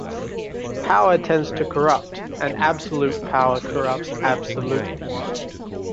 Power tends to corrupt, and absolute power corrupts absolutely.